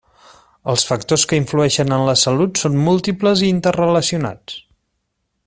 Els factors que influeixen en la salut són múltiples i interrelacionats.